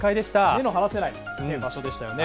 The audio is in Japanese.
目の離せない場所でしたよね。